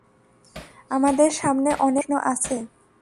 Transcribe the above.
আমাদের সামনে অনেক প্রশ্ন আছে।